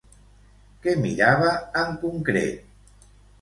Què mirava, en concret?